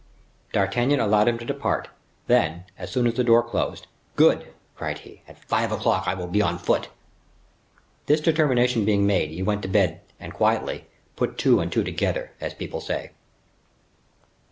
D'Artagnan allowed him to depart; then, as soon as the door closed, "Good!" cried he, "at five o'clock I will be on foot." This determination being made, he went to bed and quietly, "put two and two together," as people say.